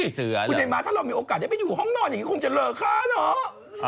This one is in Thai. คุณไอ้ม้าถ้าเรามีโอกาสได้ไปอยู่ห้องนอนอย่างนี้คงจะเลอค่าเนอะ